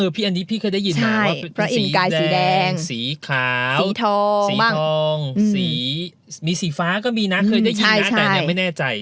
พี่อันนี้พี่เคยได้ยินมาว่าเป็นสีแดงสีขาวสีทองสีทองสีฟ้าก็มีนะเคยได้ยินนะแต่ยังไม่แน่ใจ